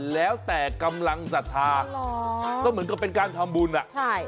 แล้วแต่กำลังศรัทธาก็เหมือนก็เป็นการทำบุญอะ